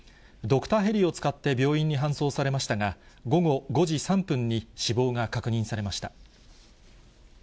ドクターヘリを使って病院に搬送されましたが、午後５時３分に死亡が確認されました。